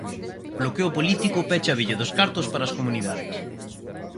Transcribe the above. O bloqueo político pecha a billa dos cartos para as comunidades.